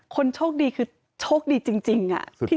คนโชคดีคือโชคดีจริง